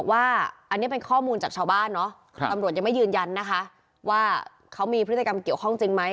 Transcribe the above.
ว่าดูทรงแล้วนี่